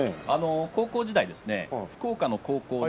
高校時代に福岡の高校で。